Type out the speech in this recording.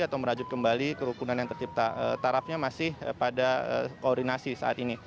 atau merajut kembali kerukunan yang tercipta tarafnya masih pada koordinasi saat ini